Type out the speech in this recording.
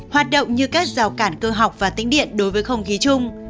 hoạt động như các rào cản cơ học và tính điện đối với không khí chung